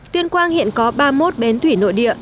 tuyên quang hiện có ba mươi một bến thủy nội địa